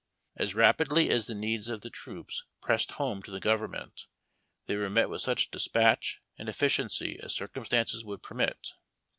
As rapidly as the needs of the troops pressed home to the government, they were met with such despatch and ethciencj^ as circumstances would permit.